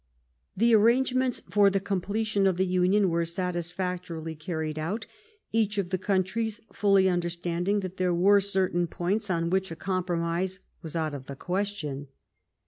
The arrangements for the completion of the union were satisfactorily carried on, each of the coun tries fully understanding that there were certain points on which a compromise was out of the question.